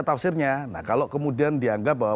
tafsirnya nah kalau kemudian dianggap bahwa